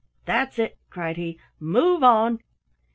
"That's it," cried he. "Move on!"